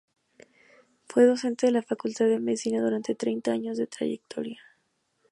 Fue docente de la Facultad de Medicina durante treinta años de trayectoria.